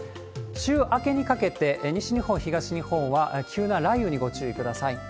週明けにかけて、西日本、東日本は急な雷雨にご注意ください。